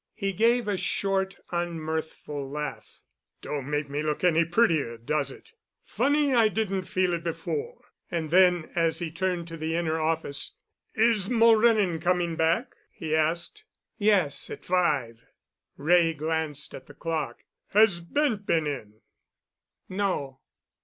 He gave a short, unmirthful laugh. "Don't make me look any prettier, does it? Funny I didn't feel it before." And then, as he turned to the inner office, "Is Mulrennan coming back?" he asked. "Yes, at five." Wray glanced at the clock. "Has Bent been in?" "No."